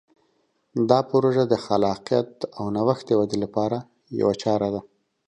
دا پروژه د خلاقیت او نوښت د ودې لپاره یوه چاره ده.